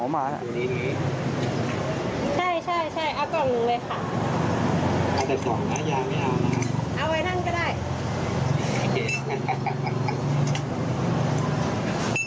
เอาไว้นั่นก็ได้